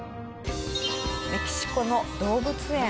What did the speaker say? メキシコの動物園。